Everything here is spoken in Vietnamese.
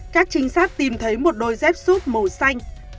các trinh sát tìm thấy một đôi dép súp màu xanh